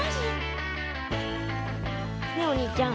ねえお兄ちゃん。